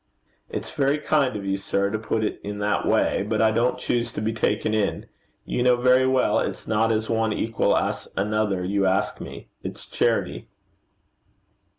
'It's very kind of you, sir, to put it in that way; but I don't choose to be taken in. You know very well it's not as one equal asks another you ask me. It's charity.'